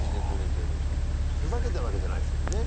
ふざけてるわけじゃないですもんね？